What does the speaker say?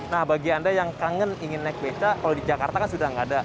nah bagi anda yang kangen ingin naik beca kalau di jakarta kan sudah nggak ada